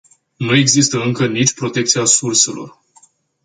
Nu există încă nici protecția surselor.